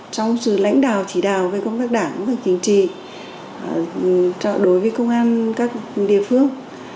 trong sự lãnh đạo chỉ đào về công tác đảng công tác chính trị đối với công an các địa phương